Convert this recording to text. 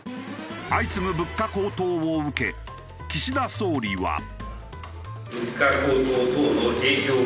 相次ぐ物価高騰を受け岸田総理は。